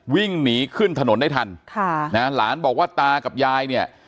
วิ่งหนีขึ้นถนนได้ทันค่ะนะหลานบอกว่าตากับยายเนี่ย